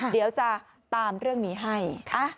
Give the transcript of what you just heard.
เดี๋ยวจะตามเรื่องนี้ให้